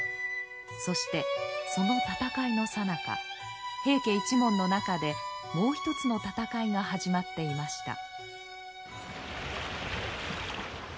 そしてその戦いのさなか平家一門の中でもう一つの戦いが始まっていました。